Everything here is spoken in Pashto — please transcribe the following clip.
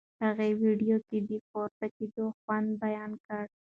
هغې ویډیو کې د پورته کېدو خوند بیان کړ.